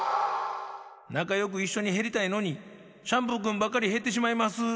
「なかよくいっしょにへりたいのにシャンプーくんばっかりへってしまいます」やて。